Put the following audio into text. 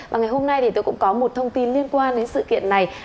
và ngày hôm nay thì tôi cũng có một thông tin liên quan đến sự kiện này